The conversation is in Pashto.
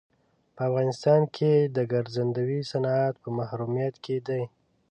په افغانستان کې د ګرځندوی صنعت په محرومیت کې دی.